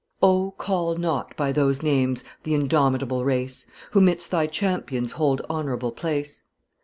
O, call not by those names th' indomitable race, Who 'midst my champions hold honorable place.